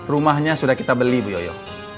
rumahnya sudah kita beli bu yoyo